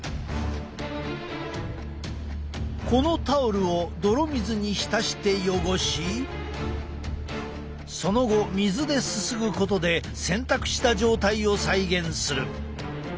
このタオルをどろ水に浸して汚しその後水ですすぐことで洗濯した状態を再現する。